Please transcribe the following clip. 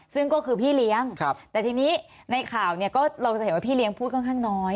ซึ่งก็คือพี่เลี้ยงแต่ทีนี้ในข่าวเนี่ยก็เราจะเห็นว่าพี่เลี้ยงพูดค่อนข้างน้อย